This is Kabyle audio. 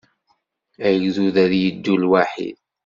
Agdud ad yeddu lwaḥid.